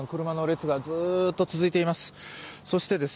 車の列がずっと続いています。